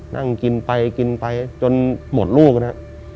นั่งกินไปกินไปจนหมดลูกนะครับ